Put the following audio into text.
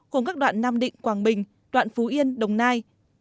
gồm các đoạn nam định quảng bình đoạn phú yên đồng nai